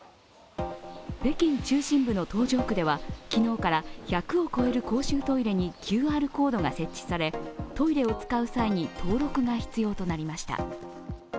北京中心部の東城区では、昨日から１００を超える公衆トイレにＱＲコードが設置されトイレを使う際に、登録が必要となりました。